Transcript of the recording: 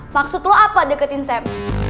maksud lo apa deketin saya